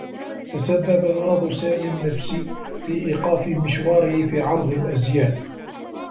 تسبّب مرض سامي النّفسي في إيقاف مشواره في عرض الأزياء.